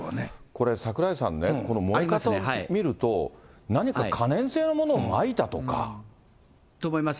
これ櫻井さんね、この燃え方を見ると、何か可燃性のものをまと思います。